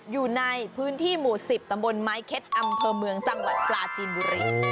อยู่ในพื้นที่หมู่๑๐ตำบลไม้เค็ดอำเภอเมืองจังหวัดปลาจีนบุรี